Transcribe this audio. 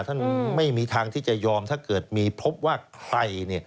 ท่านไม่มีทางที่จะยอมถ้าเกิดมีพบว่าใคร